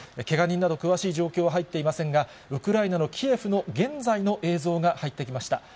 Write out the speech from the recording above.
けが人など、詳しい状況は入っていませんが、ウクライナのキエフの現在の映像が入ってきました。